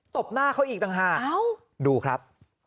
บหน้าเขาอีกต่างหากดูครับ